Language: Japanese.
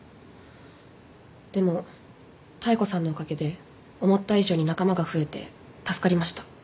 でも妙子さんのおかげで思った以上に仲間が増えて助かりました。